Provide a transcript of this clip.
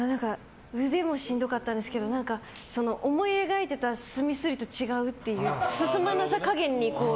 腕もしんどかったですけど思い描いていた墨すりと違うっていう。